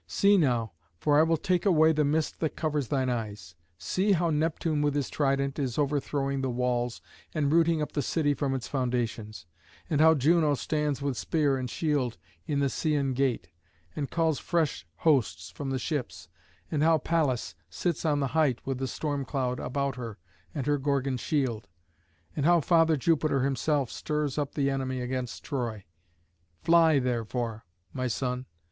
See now, for I will take away the mist that covers thine eyes; see how Neptune with his trident is overthrowing the walls and rooting up the city from its foundations; and how Juno stands with spear and shield in the Scæan Gate, and calls fresh hosts from the ships; and how Pallas sits on the height with the storm cloud about her and her Gorgon shield; and how Father Jupiter himself stirs up the enemy against Troy. Fly, therefore, my son.